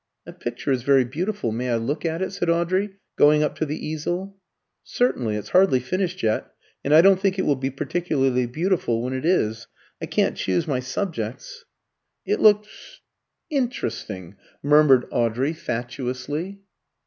"That picture is very beautiful; may I look at it?" said Audrey, going up to the easel. "Certainly. It's hardly finished yet, and I don't think it will be particularly beautiful when it is. I can't choose my subjects." "It looks interesting," murmured Audrey, fatuously.